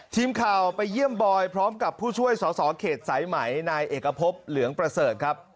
ทีมข่าวไปเยี่ยมบอยพร้อมกับผู้ช่วยสอสอเขตสายไหมนายเอกพบเหลืองประเสริฐครับ